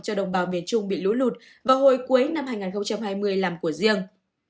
cho đồng bào miền trung bị lũ lụt vào hồi cuối năm hai nghìn hai mươi làm của riêng